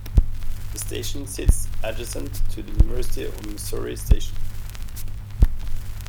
The station sits adjacent to the University of Missouri-St.